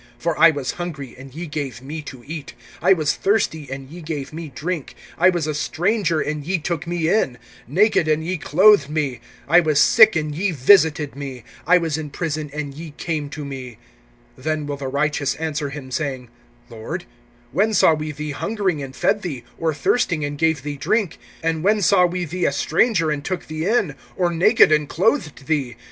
(35)For I was hungry, and ye gave me to eat; I was thirsty, and ye gave me drink; I was a stranger and ye took me in, (36)naked and ye clothed me; I was sick, and ye visited me; I was in prison, and ye came to me. (37)Then will the righteous answer him, saying: Lord, when saw we thee hungering and fed thee, or thirsting and gave thee drink? (38)And when saw we thee a stranger and took thee in, or naked and clothed thee?